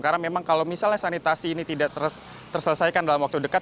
karena memang kalau misalnya sanitasi ini tidak terselesaikan dalam waktu dekat